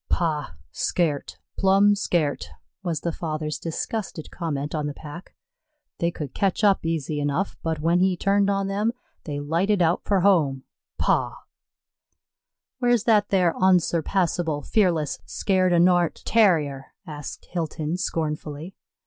"Pah scairt, plumb scairt," was the father's disgusted comment on the pack. "They could catch up easy enough, but when he turned on them, they lighted out for home pah!" "Where's that thar onsurpassable, fearless, scaired o' nort Tarrier?" asked Hilton, scornfully.